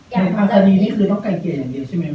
คุณพาคดีนี้คือต้องไก่เกียร์อย่างเดียวใช่ไหม